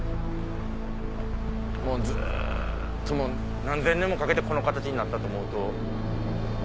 ずっと何千年もかけてこの形になったと思うと。